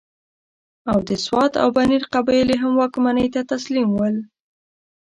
او د سوات او بنیر قبایل یې هم واکمنۍ ته تسلیم ول.